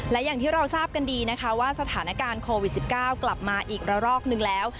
และอย่างที่เราทราบกันดีนะคะว่าสถานการณ์โควิด๑๙กลับมาอีกระรอกนึงแล้ว